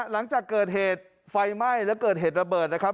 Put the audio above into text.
หลังจากเกิดเหตุไฟไหม้และเกิดเหตุระเบิดนะครับ